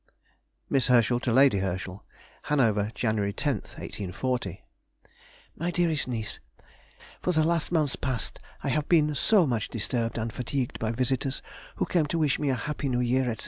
MISS HERSCHEL TO LADY HERSCHEL. HANOVER, Jan. 10, 1840. MY DEAREST NIECE,— ... For the last month past I have been so much disturbed and fatigued by visitors who came to wish me a happy New year, &c.